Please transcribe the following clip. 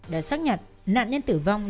đã xác nhận nạn nhân tử vong